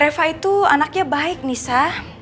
reva itu anaknya baik nisa